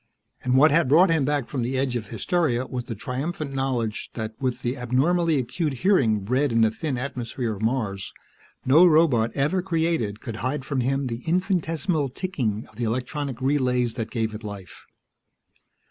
And what had brought him back from the edge of hysteria was the triumphant knowledge that with the abnormally acute hearing bred in the thin atmosphere of Mars, no robot ever created could hide from him the infinitesimal ticking of the electronic relays that gave it life.